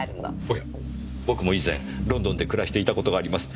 おや僕も以前ロンドンで暮らしていた事があります。